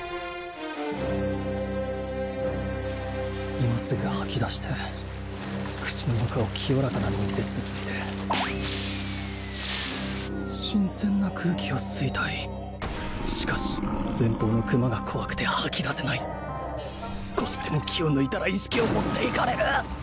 今すぐ吐き出して口の中を清らかな水ですすいで新鮮な空気を吸いたいしかし前方の熊が怖くて吐き出せない少しでも気を抜いたら意識を持っていかれる